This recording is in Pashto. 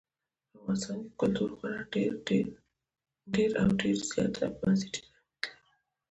په افغانستان کې کلتور خورا ډېر او ډېر زیات بنسټیز اهمیت لري.